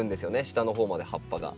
下の方まで葉っぱが。